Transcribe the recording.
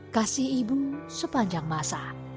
kasih ibu sepanjang masa